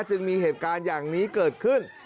จึงมีเหตุการณ์อย่างนี้เกิดขึ้น